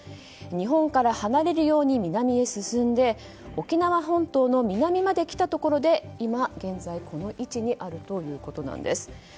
日本から離れるように南へ進んで沖縄本島の南まで来たところで今現在この位置にあるということです。